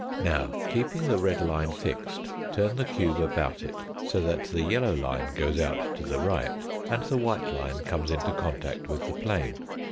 Now, keeping the red line fixed, turn the cube about it so that the yellow line goes out to the right, and the white line comes into contact with the plane.